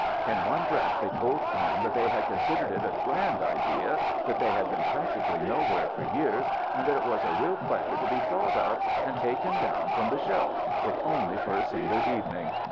In one breath they told Tom that they considered it a grand idea, that they had been practically nowhere for years, and that it was a real pleasure to be thought of and taken down from the shelf, if only for a single evening.